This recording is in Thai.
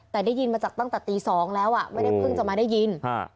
แต่ได้ยินมาจากตั้งแต่ตี๒แล้วไม่ได้เพิ่งจะมาได้ยิน